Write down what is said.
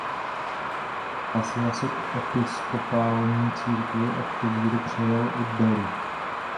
Hlásila se k Episkopální církvi a tuto víru přejal i Barry.